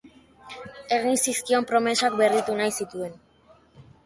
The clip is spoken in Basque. egin zizkion promesak berritu nahi zituen.